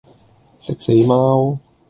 食死貓